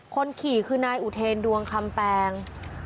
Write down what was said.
คนขี่คือนายอุเทนดวงคำแปง